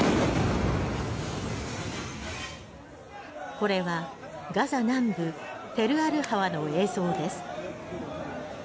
これはガザ南部テルアルハワの映像です。